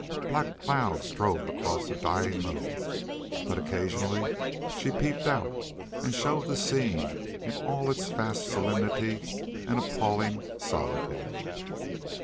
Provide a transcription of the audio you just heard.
Black clouds drove across the dying moon, but occasionally she peeped out and showed the scene in all its vast solemnity and appalling solitude.